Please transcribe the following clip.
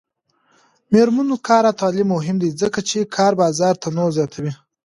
د میرمنو کار او تعلیم مهم دی ځکه چې کار بازار تنوع زیاتوي.